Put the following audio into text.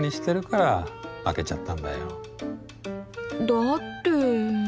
だって。